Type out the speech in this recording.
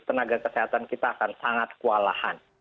tenaga kesehatan kita akan sangat kewalahan